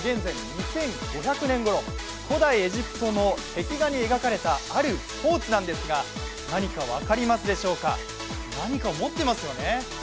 ２５００年ごろ、古代エジプトの壁画に描かれた、あるスポーツなんですが、何か分かりますでしょうか、何か持っていますよね。